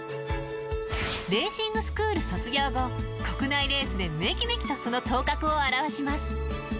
レーシングスクール卒業後国内レースでめきめきとその頭角を現します。